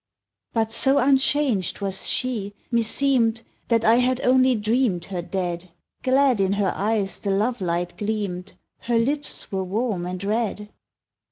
But so unchanged was she, meseemed That I had only dreamed her dead; Glad in her eyes the love light gleamed; Her lips were warm and red.